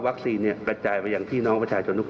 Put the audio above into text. วัคซีนเนี่ยกระจายมายังพี่น้องประชาชนทุกคน